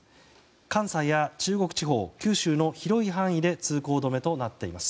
関西や中国地方九州の広い範囲で通行止めとなっています。